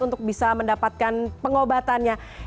untuk bisa mendapatkan pengobatannya